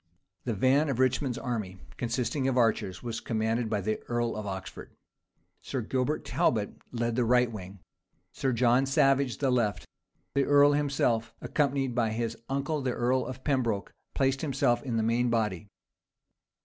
The van of Richmond's army, consisting of archers, was commanded by the earl of Oxford: Sir Gilbert Talbot led the right wing; Sir John Savage the left: the earl himself, accompanied by his uncle the earl of Pembroke, placed himself in the main body.